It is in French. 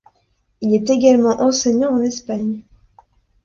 Il est également enseignant en Espagne.